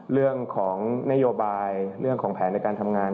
เรื่องของนโยบายเรื่องของแผนในการทำงาน